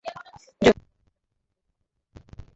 জৈব সার ব্যবহার করে প্রাকৃতিকভাবে উৎপাদিত খাদ্য হল জৈব খাদ্য।